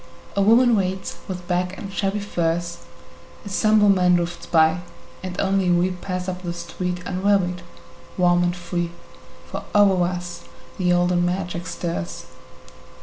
A woman waits with bag and shabby furs, A somber man drifts by, and only we Pass up the street unwearied, warm and free, For over us the olden magic stirs.